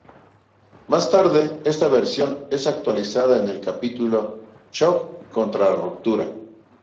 Más tarde, esta versión es actualizada en el capítulo "Chuck contra la ruptura".